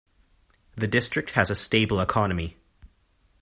The district has a stable economy.